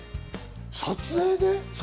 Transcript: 撮影で？